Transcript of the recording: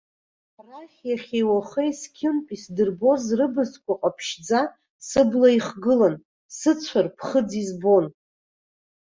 Арахь иахьеи уахеи зқьынтә исдырбоз рыбзқәа ҟаԥшьӡа сыбла ихгылан, сыцәар ԥхыӡ избон.